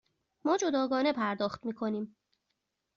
ما جداگانه پرداخت می کنیم.